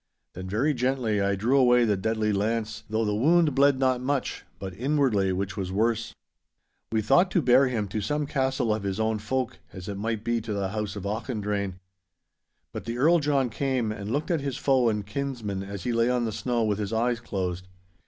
Then very gently I drew away the deadly lance, though the wound bled not much, but inwardly, which was worse. We thought to bear him to some castle of his own folk, as it might be to the house of Auchdrayne. But the Earl John came and looked at his foe and kinsman as he lay on the snow with his eyes closed.